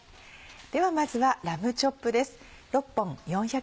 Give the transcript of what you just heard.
ではまずはラムチョップです。